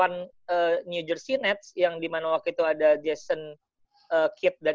tapi nanti kalau kings lawan new jersey nets yang di mana waktu itu ada jason kidd dan